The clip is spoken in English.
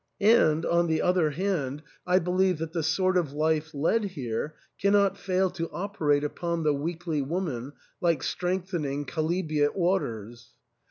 And, on the other hand, 266 THE ENTAIL. I believe that the sort of life led here cannot fail to operate upon the weakly woman like strengthening chalybeate waters.